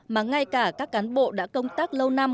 mà ngay cả các cán bộ đã công tác lâu năm